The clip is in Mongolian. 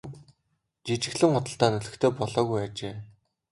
Жижиглэн худалдаа нь олигтой болоогүй ажээ.